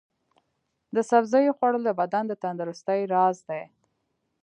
د سبزیو خوړل د بدن د تندرستۍ راز دی.